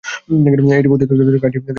এটি পর্যটকদের জন্য গাইড হিসাবেও কার্যকর হবে।